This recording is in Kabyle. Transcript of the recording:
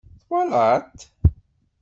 Twalaḍ-t?